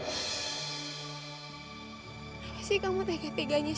kenapa sih kamu tegak teganya syed